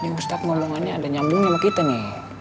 ini ustad ngomongannya ada nyambungnya sama kita nih